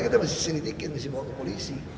kita mesti seritikin mesti bawa ke polisi